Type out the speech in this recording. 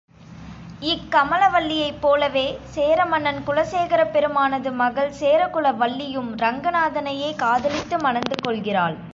இக்கமல்வல்லியைப் போலவே சேரமன்னன் குலசேகரப் பெருமானது மகள் சேரகுலவல்லியும் ரங்நாதனையே காதலித்து மணந்து கொள்கிறாள்.